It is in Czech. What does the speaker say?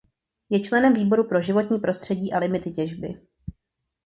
Je členem Výboru pro životní prostředí a limity těžby.